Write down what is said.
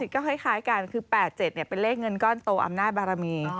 ก็คล้ายกันคือ๘๗เป็นเลขเงินก้อนโตอำนาจบารมี